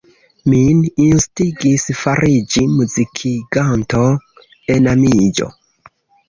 Min instigis fariĝi muzikiganto enamiĝo.